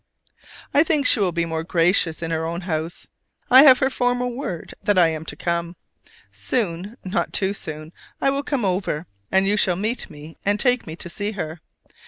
I think she will be more gracious in her own house. I have her formal word that I am to come. Soon, not too soon, I will come over; and you shall meet me and take me to see her.